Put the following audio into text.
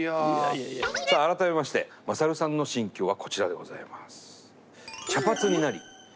さあ改めまして勝さんの心境はこちらでございます。